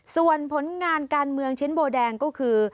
ส่วนผลงานการเมืองชิ้นโบแดงก็คือ